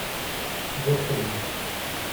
Votre mur.